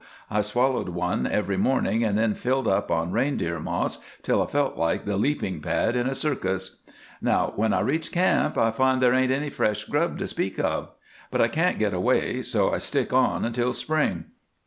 I swallowed one every morning and then filled up on reindeer moss till I felt like the leaping pad in a circus. "Now, when I reach camp I find there ain't any fresh grub to speak of. But I can't get away, so I stick on until spring.